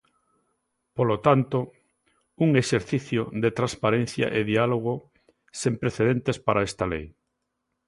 Polo tanto, un exercicio de transparencia e diálogo sen precedentes para esta lei.